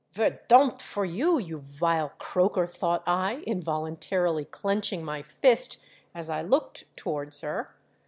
"UerDomO! for you, you vile croaker '" thought I, involuntarily clenching my fist as I looked towards her.